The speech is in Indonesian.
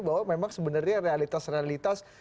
bahwa memang sebenarnya realitas realitas